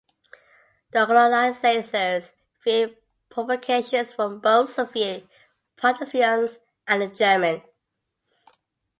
The organizers feared provocations from both Soviet partisans and the Germans.